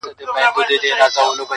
پلټنه د کور دننه پيل کيږي,